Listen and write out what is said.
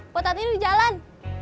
potat ini di jalan